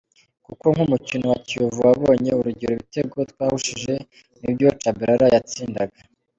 Kuko nk’umukino wa Kiyovu wabonye, urugero ibitego twahushije ni byo Tchabalala yatsindaga.